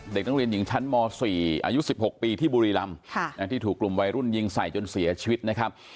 เด็กนักเรียนหญิงชั้นม๔อายุ๑๖ปีที่บุรีรำที่ถูกกลุ่มวัยรุ่นยิงใส่จนเสียชีวิตนะครับ